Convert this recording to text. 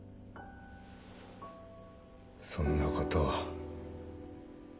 そんなことを。